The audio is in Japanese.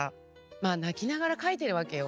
まあ泣きながら書いてるわけよ